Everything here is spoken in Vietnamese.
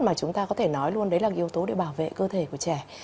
mà chúng ta có thể nói luôn đấy là yếu tố để bảo vệ cơ thể của trẻ